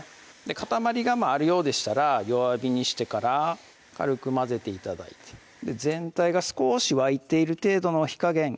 塊があるようでしたら弱火にしてから軽く混ぜて頂いて全体が少し沸いている程度の火加減